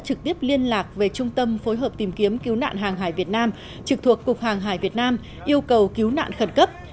trực thuộc cục hàng hải việt nam yêu cầu cứu nạn khẩn cấp